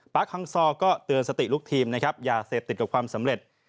ฮังซอก็เตือนสติลูกทีมนะครับอย่าเสพติดกับความสำเร็จ